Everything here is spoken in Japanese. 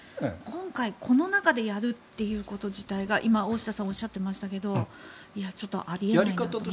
今回この中でやるということ自体が今、大下さんがおっしゃっていましたがあり得ないと。